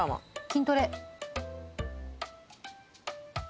筋トレ。